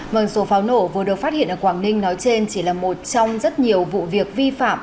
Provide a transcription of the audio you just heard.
vâng số pháo nổ vừa được phát hiện ở quảng ninh nói trên chỉ là một trong rất nhiều vụ việc vi phạm